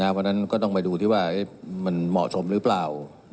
เพราะฉะนั้นก็ต้องไปดูที่ว่ามันเหมาะสมหรือเปล่า